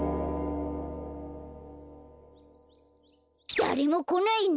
だれもこないね。